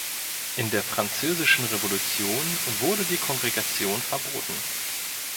In der Französischen Revolution wurde die Kongregation verboten.